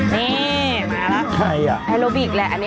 นี่มาแล้วแอโลบิกแหละอันนี้